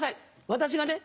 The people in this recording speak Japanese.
私がね